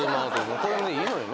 これでいいのにね。